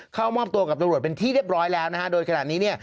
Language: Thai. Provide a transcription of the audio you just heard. เข้ามอบตัวกับตรวจเป็นที่เรียบร้อยแล้วโดยขนาดนี้